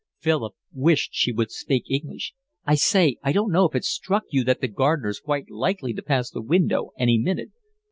Philip wished she would speak English. "I say, I don't know if it's struck you that the gardener's quite likely to pass the window any minute."